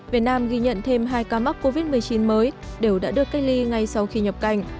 việt nam ghi nhận thêm hai ca mắc covid một mươi chín mới đều đã được cách ly ngay sau khi nhập cảnh